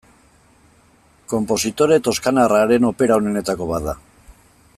Konpositore toskanarraren opera onenetako bat da.